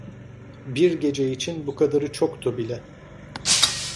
Bir gece için bu kadarı çoktu bile.